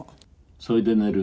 「それで寝るのよ」